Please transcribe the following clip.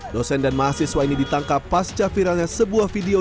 dosen dan mahasiswa ini ditangkap pasca viralnya sebuah video